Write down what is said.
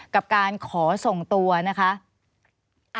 กับการขอส่งตัวนะคะ